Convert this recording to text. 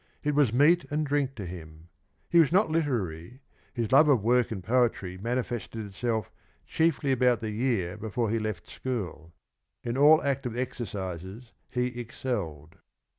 It was meat and drink to him He was not literary : his love of work and poetry manifested itself chiefly about the year before he left school. In all active exercises he excelled."